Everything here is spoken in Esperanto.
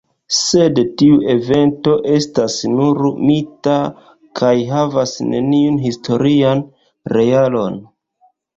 Sed tiu evento estas nur mita, kaj havas neniun historian realon.